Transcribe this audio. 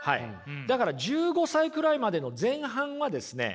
だから１５歳くらいまでの前半はですね